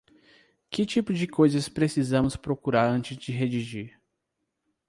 Que tipo de coisas precisamos procurar antes de redigir?